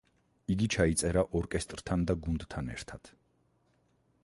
იგი ჩაიწერა ორკესტრთან და გუნდთან ერთად.